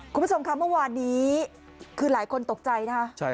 คุณผู้ชมค่ะเมื่อวานนี้คือหลายคนตกใจนะคะ